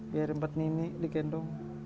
biar empat nenek dikendung